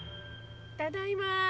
・ただいま。